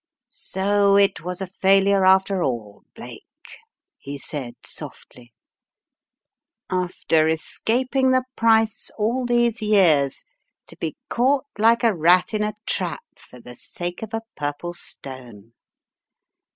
"So it was a failure after all, Blake," he said, softly. "After escaping the price all these years. The Trap 265 to be caught like a rat in a trap for the sake of a purple stone!